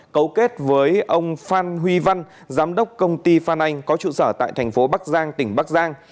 cấu kết với ông phan huy văn giám đốc công ty phan anh có trụ sở tại thành phố bắc giang tỉnh bắc giang